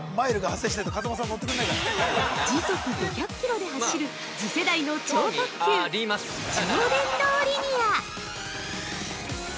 ◆時速５００キロで走る次世代の超特急・超電導リニア。